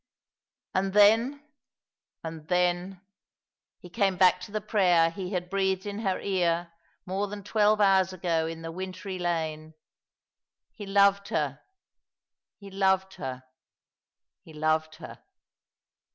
:. And then — and then — he came back to the prayer he had breathed in her ear more than twelve hours ago in the wintry lane. He loved her, he loved her, he loved her